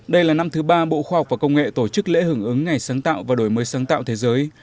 đây là năm thứ ba bộ khoa học và công nghệ tổ chức lễ hưởng ứng ngày sáng tạo và đổi mới sáng tạo thế giới